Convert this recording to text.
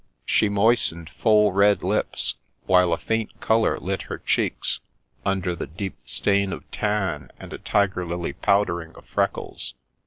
She moistened full red lips, while a faint colour lit her cheeks, under the deep stain of tan and a tiger lily powdering of freckles.